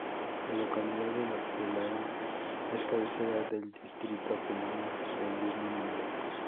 La localidad de La Pelada, es cabecera del distrito comunal del mismo nombre.